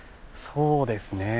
そうですね